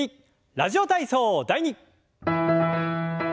「ラジオ体操第２」。